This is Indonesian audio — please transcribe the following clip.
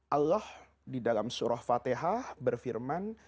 allah di dalam surah fatihah berfirman